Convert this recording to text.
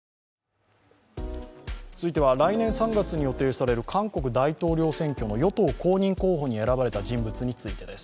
続いては来年３月に予定される韓国大統領選挙の与党公認候補に選ばれた人物についてです。